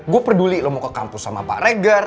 gue peduli lo mau ke kampus sama pak reger